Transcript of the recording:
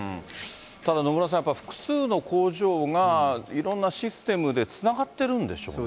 ただ、野村さん、やっぱり複数の工場が、いろんなシステムでつながってるんでしょうね。